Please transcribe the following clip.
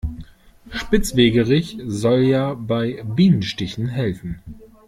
Spitzwegerich soll ja bei Bienenstichen helfen.